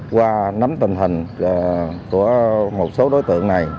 qua nắm tình hình của một số đối tượng này